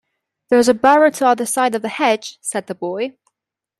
‘There’s a barrow t’other side of the hedge,’ said the boy.